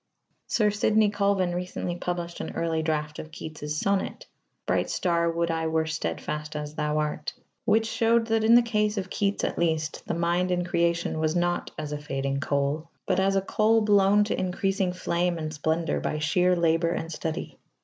Sir Sidney Colvin recently published an early draft of Keats's sonnet, "Bright star, would I were stedfast as thou art," which showed that in the case of Keats at least the mind in creation was not "as a fading coal," but as a coal blown to increasing flame and splendour by sheer "labour and study."